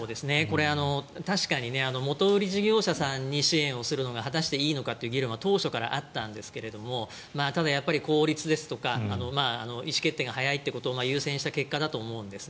これ、確かに元売り事業者さんに支援をするのが果たしていいのかという議論は当初からあったんですがただ、効率ですとか意思決定が早いということを優先した結果だと思うんです。